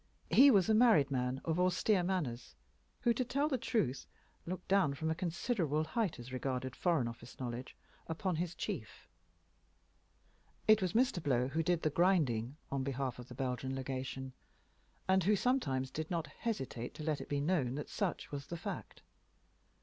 He was a married man of austere manners, who, to tell the truth, looked down from a considerable height, as regarded Foreign Office knowledge, upon his chief. It was Mr. Blow who did the "grinding" on behalf of the Belgian Legation, and who sometimes did not hesitate to let it be known that such was the fact.